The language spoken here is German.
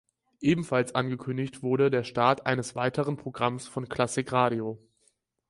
Ebenfalls angekündigt wurde der Start eines weiteren Programms von Klassik Radio.